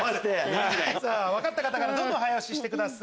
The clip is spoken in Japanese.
分かった方からどんどん早押ししてください。